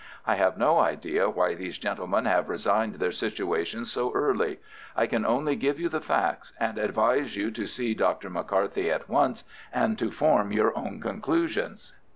I have no idea why these gentlemen have resigned their situations so early. I can only give you the facts, and advise you to see Dr. McCarthy at once and to form your own conclusions."